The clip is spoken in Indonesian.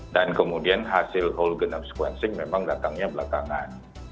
dan kemudian hasil whole genome sequencing memang datangnya belakangan